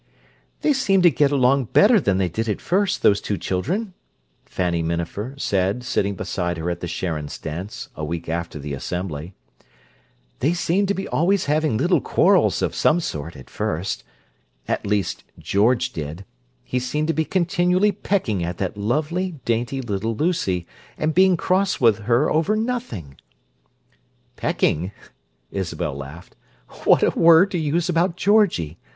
"They seem to get along better than they did at first, those two children," Fanny Minafer said sitting beside her at the Sharons' dance, a week after the Assembly. "They seemed to be always having little quarrels of some sort, at first. At least George did: he seemed to be continually pecking at that lovely, dainty, little Lucy, and being cross with her over nothing." "Pecking?" Isabel laughed. "What a word to use about Georgie!